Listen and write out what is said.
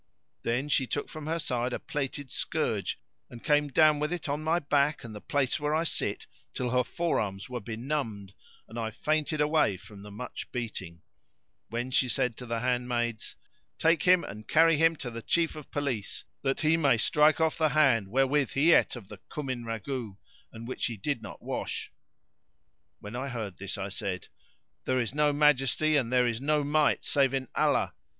"[FN#570] Then she took from her side a plaited scourge and came down with it on my back and the place where I sit till her forearms were benumbed and I fainted away from the much beating; when she said to the handmaids, "Take him and carry him to the Chief of Police, that he may strike off the hand wherewith he ate of the cumin ragout, and which he did not wash." When I heard this I said, "There is no Majesty and there is no Might save in Allah!